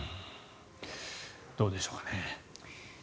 どうでしょうかね。